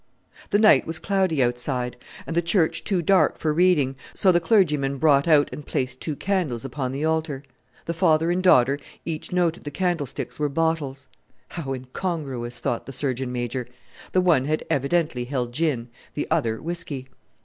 The night was cloudy outside, and the church too dark for reading, so the clergyman brought out and placed two candles upon the altar. The father and daughter each noted the candlesticks were bottles. "How incongruous!" thought the Surgeon Major. The one had evidently held gin, the other whisky.